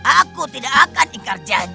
aku tidak akan ingkar janji